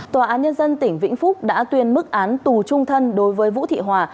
tòa án nhân dân tỉnh vĩnh phúc đã tuyên mức án tù trung thân đối với vũ thị hòa